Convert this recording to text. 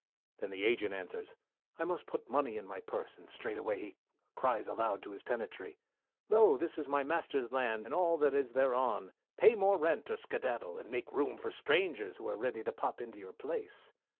Then the Agent answers, I must put money in my purse, and straightway he cries aloud to his tenantry, Lo, this is my master's land and all that is thereon, pay more rent or skedaddle, and make room for strangers who are ready to pop into your place.